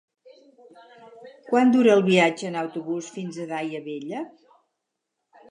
Quant dura el viatge en autobús fins a Daia Vella?